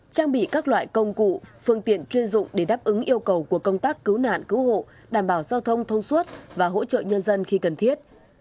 trang bị các loại công cụ phương tiện chuyên dụng để đáp ứng yêu cầu của công tác cứu nạn cứu hộ đảm bảo giao thông thông suốt và hỗ trợ nhân dân khi cần thiết